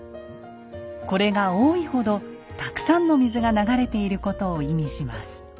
これが多いほどたくさんの水が流れていることを意味します。